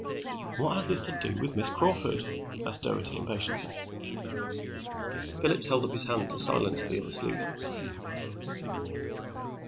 "What has this to do with Miss Crawford?" asked Doherty impatiently. Phillips held up his hand to silence the other sleuth.